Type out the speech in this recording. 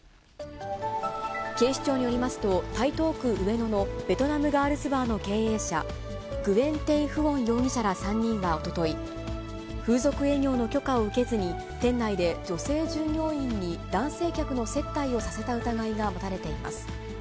警視庁によりますと、台東区上野のベトナムガールズバーの経営者、グエン・テイ・フオン容疑者ら３人はおととい、風俗営業の許可を受けずに、店内で女性従業員に男性客の接待をさせた疑いが持たれています。